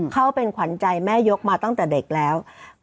เขาเป็นขวัญใจแม่ยกมาตั้งแต่เด็กแล้ว